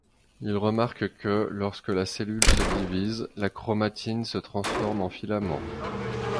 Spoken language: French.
Il remarque que, lorsque la cellule se divise, la chromatine se transforme en filaments.